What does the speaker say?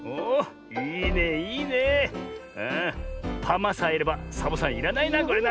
パマさえいればサボさんいらないなこれな。